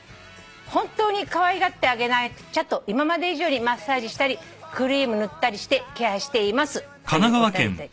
「本当にかわいがってあげなくちゃと今まで以上にマッサージしたりクリーム塗ったりしてケアしています」というお便り。